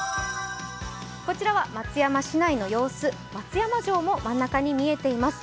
こちらは松山市内の様子、松山城も真ん中に見えています。